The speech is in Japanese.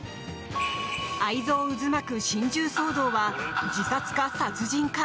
愛憎渦巻く心中騒動は自殺か殺人か。